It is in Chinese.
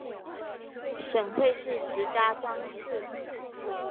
省会是石家庄市。